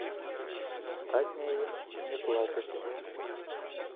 Астатняе ім не плацяць.